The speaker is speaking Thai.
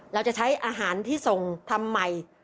เราจะใช้อาหารที่ส่งทำใหม่